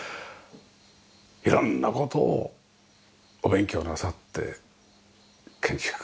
色んな事をお勉強なさって建築家。